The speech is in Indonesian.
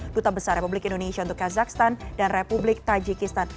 duta besar republik indonesia untuk kazakhstan dan republik tajikistan